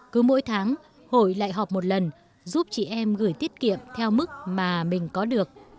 cứ mỗi tháng hội lại họp một lần giúp chị em gửi tiết kiệm theo mức mà mình có được